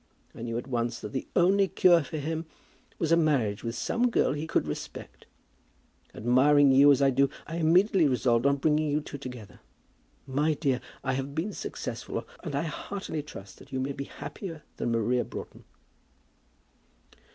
I knew at once that the only cure for him was a marriage with some girl that he could respect. Admiring you as I do, I immediately resolved on bringing you two together. My dear, I have been successful, and I heartily trust that you may be happier than Maria Broughton."